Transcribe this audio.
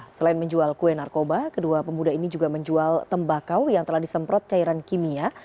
selain menjual kue narkoba kedua pemuda ini juga menjual tembakau yang telah disemprot cairan kimia